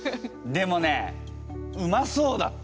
でもねうまそうだった。